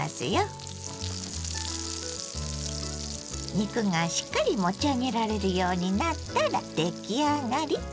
肉がしっかり持ち上げられるようになったら出来上がり。